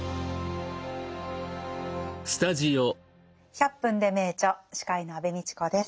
「１００分ｄｅ名著」司会の安部みちこです。